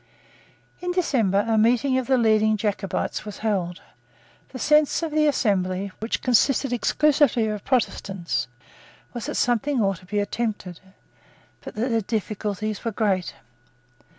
In December a meeting of the leading Jacobites was held, The sense of the assembly, which consisted exclusively of Protestants, was that something ought to be attempted, but that the difficulties were great.